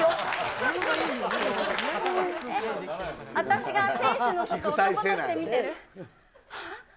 えっ、私が選手のことを男として見てる？はっ？